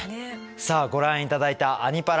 さあご覧頂いた「アニ×パラ」。